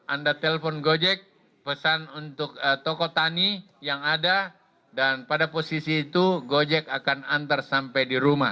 anda telpon gojek pesan untuk toko tani yang ada dan pada posisi itu gojek akan antar sampai di rumah